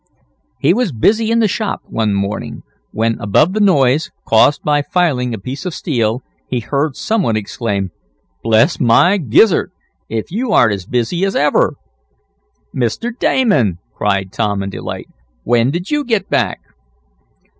He was busy in the shop, one morning, when, above the noise caused by filing a piece of steel he heard some one exclaim: "Bless my gizzard! If you aren't as busy as ever!" "Mr. Damon!" cried Tom in delight. "When did you get back?"